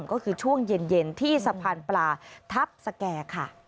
ก็คือช่วงเย็นที่สะพานปลาทัพสแก่ค่ะ